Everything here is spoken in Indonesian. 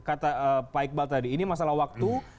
kata pak iqbal tadi ini masalah waktu